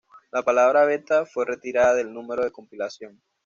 La palabra "beta" fue retirada del número de compilación.